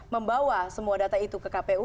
membawa semua data itu ke kpu